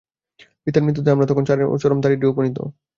পিতার মৃত্যুতে আমরা তখন চরম দারিদ্র্যে উপনীত।